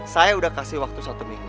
saya udah kasih waktu satu minggu